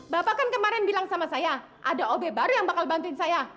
bapak kan kemarin bilang sama saya ada obe baru yang bakal bantuin saya